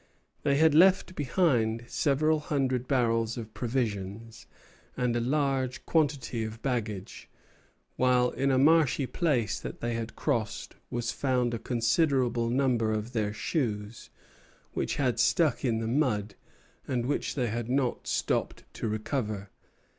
They had left behind several hundred barrels of provisions and a large quantity of baggage; while in a marshy place that they had crossed was found a considerable number of their shoes, which had stuck in the mud, and which they had not stopped to recover.